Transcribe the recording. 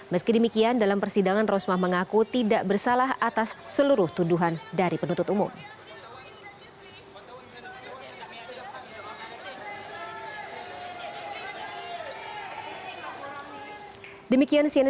meski demikian dalam persidangan rosmah mengaku tidak bersalah atas seluruh tuduhan dari penuntut umum